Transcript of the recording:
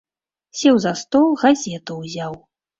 Сеў за стол, газету ўзяў.